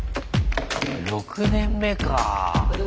６年目かあ。